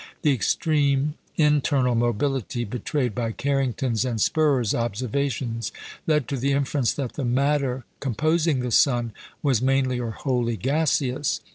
The extreme internal mobility betrayed by Carrington's and Spörer's observations led to the inference that the matter composing the sun was mainly or wholly gaseous.